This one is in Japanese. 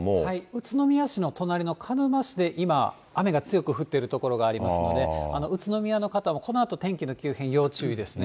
宇都宮市の隣の鹿沼市で今、雨が強く降っている所がありますので、宇都宮の方も、このあと、天気の急変、要注意ですね。